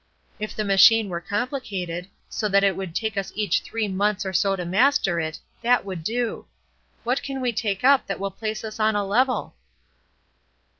If the machine were complicated, so that it would take us each three months or so to master it, that would do. What can we take up that will place us on a level?"